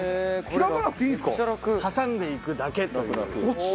挟んでいくだけという。